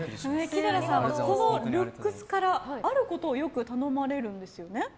木寺さんは、このルックスからあることをよく頼まれるんですよね。